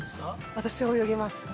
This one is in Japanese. ◆私は泳げます。